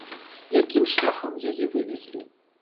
Якім шляхам яе вывезлі?